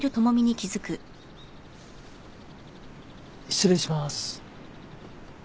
失礼します。